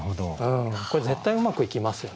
これ絶対うまくいきますよね。